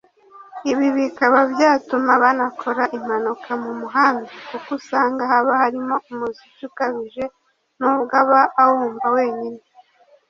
Ibi bikaba byatuma banakora impanuka mu muhanda kuko usanga haba harimo umuziki ukabije n’ubwo aba awumva wenyine